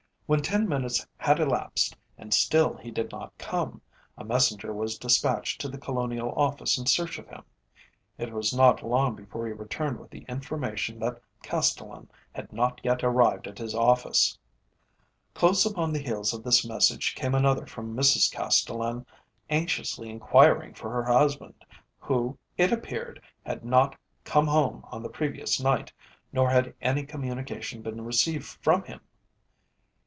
When ten minutes had elapsed and still he did not come, a messenger was despatched to the Colonial Office in search of him. It was not long before he returned with the information that Castellan had not yet arrived at his office. Close upon the heels of this message came another from Mrs Castellan anxiously inquiring for her husband, who, it appeared, had not come home on the previous night, nor had any communication been received from him.